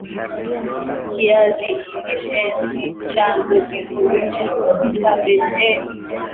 Viazi lishe ni chanzo kizuri cha vitamin A